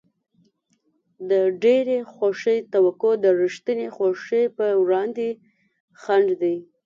د ډېرې خوښۍ توقع د رښتینې خوښۍ په وړاندې خنډ دی.